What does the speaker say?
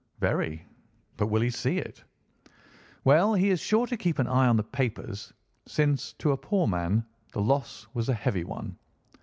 "Very. But will he see it?" "Well, he is sure to keep an eye on the papers, since, to a poor man, the loss was a heavy one.